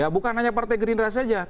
bukan hanya partai gerindra saja